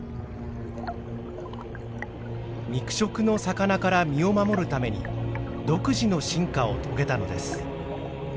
肉食の魚から身を守るために独自の進化を遂げたのです。